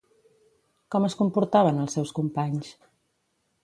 Com es comportaven els seus companys?